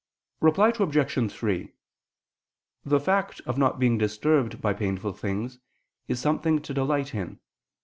Reply Obj. 3: The fact of not being disturbed by painful things is something to delight in.